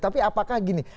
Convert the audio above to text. tapi apakah gini